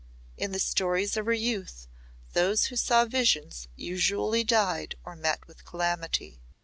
In the stories of her youth those who saw visions usually died or met with calamity.